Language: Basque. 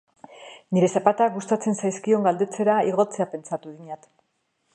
Nire zapatak gustatzen zaizkion galdetzera igotzea pentsatu dinat.